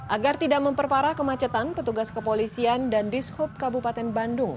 agar tidak memperparah kemacetan petugas kepolisian dan dishub kabupaten bandung